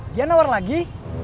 dia nawar lagi